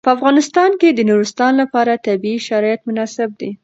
په افغانستان کې د نورستان لپاره طبیعي شرایط مناسب دي.